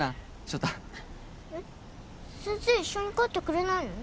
翔太えっ先生一緒に帰ってくれないの？